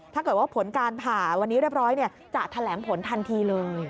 ถ้าเกิดว่าผลการผ่าวันนี้เรียบร้อยจะแถลงผลทันทีเลย